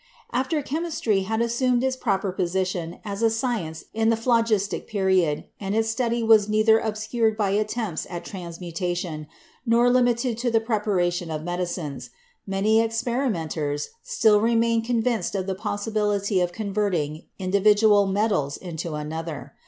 After chemistry had assumed its proper position as a science in the Phlogistic Period and its study was neither obscured by attempts at transmutation nor limited to the preparation of medicines, many experimenters still re mained convinced of the possibility of converting indi vidual metals into one another.